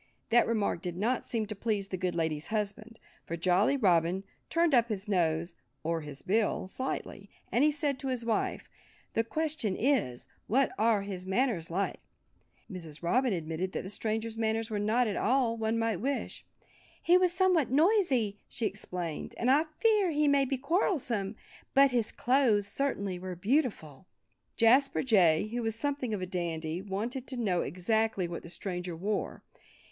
That remark did not seem to please the good lady's husband. For Jolly Robin turned up his nose—or his bill—slightly, and he said to his wife, "The question is: What are his manners like?" Mrs. Robin admitted that the stranger's manners were not all that one might wish. "He was somewhat noisy," she explained. "And I fear he may be quarrelsome. But his clothes certainly were beautiful." Jasper Jay, who was something of a dandy, wanted to know exactly what the stranger wore.